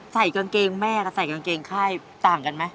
ใส่กางเกงแม่กับใส่กางเกงค่ายต่างกันไหม